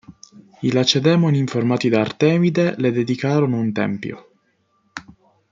I Lacedemoni, informati da Artemide, le dedicarono un tempio.